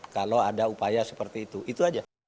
kalau ada upaya seperti itu itu aja